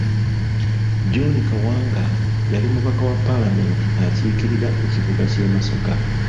John Kawanga yali mubaka wa palamenti akiikirira ekibuga ky’e Masaka.